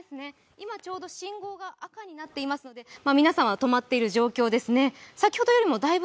今、信号が赤になっているので、皆さん、止まっている状況ですね。